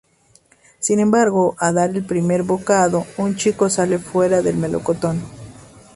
Sin embargo, al dar el primer bocado, un chico sale fuera del melocotón.